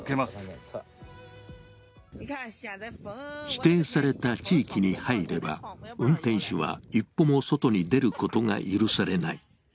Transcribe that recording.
指定された地域に入れば、運転手は一歩も外に出ることが許されない。